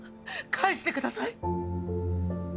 返してください